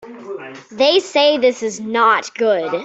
They say this is not good.